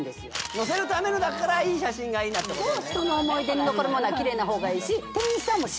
載せるためのだからいい写真がいいなってことね。